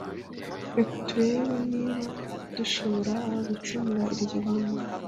Reka turebe niba dushobora gukemura iryo banga